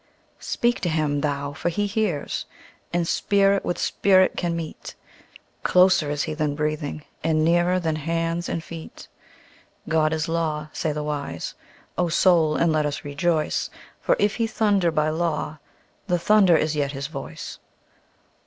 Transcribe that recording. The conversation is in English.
Speak to Him thou for He hears, and Spirit with Spirit can meet—Closer is He than breathing, and nearer than hands and feet. God is law, say the wise; O Soul, and let us rejoice, For if He thunder by law the thunder is yet His voice.